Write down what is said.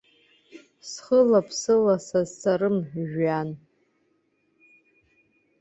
Схылҩа-ԥсылҩан сазцарыма жәҩан?